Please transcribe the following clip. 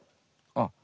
あっ。